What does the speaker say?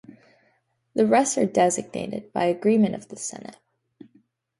The rest are designated by agreement of the Senate.